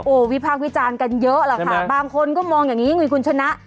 วิพากษ์วิจารณ์กันเยอะแหละค่ะบางคนก็มองอย่างนี้ไงคุณชนะ